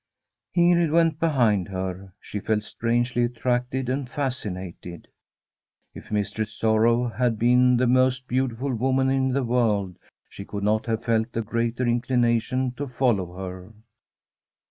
Ingrid went behind her. She felt strangely attracted and fascinated. If Mistress Sorrow had been the most beautiful woman in the world, she could not have felt a greater inclination to follow her.